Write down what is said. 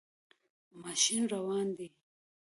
ماشین روان دی